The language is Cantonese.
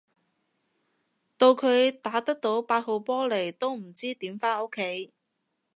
到佢打得八號波嚟都唔知點返屋企